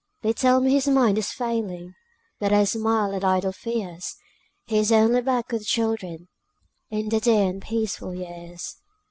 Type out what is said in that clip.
They tell me his mind is failing, But I smile at idle fears; He is only back with the children, In the dear and peaceful years.